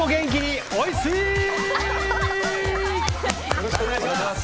よろしくお願いします！